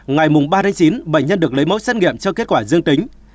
ngày ba chín bệnh nhân được lấy mẫu xét nghiệm cho kết quả dương tính